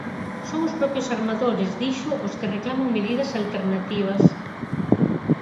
Son os propios armadores, dixo, os que reclaman medidas alternativas.